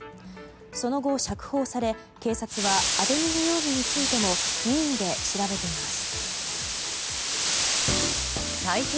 その後釈放され警察は当て逃げ容疑についても任意で調べています。